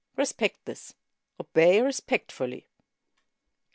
Respect this. Obey respectfully."